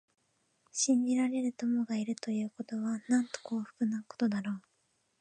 信じられる友がいるということは、なんと幸福なことだろう。